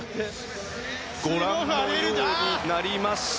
ご覧のようになりました。